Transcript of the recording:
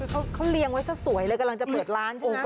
เขาเลี้ยงไว้ซะสวยเลยกำลังจะเปิดร้านใช่ไหม